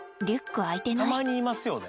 たまにいますよね。